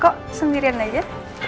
kok sendirian aja